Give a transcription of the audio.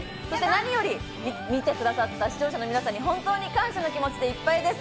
何より見てくださった視聴者の皆さんに本当に感謝の気持ちでいっぱいです。